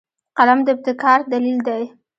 قلم د ابتکار دلیل دی